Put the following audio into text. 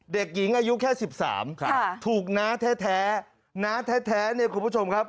เด็กหญิงอายุแค่๑๓ถูกน้าแท้น้าแท้เนี่ยคุณผู้ชมครับ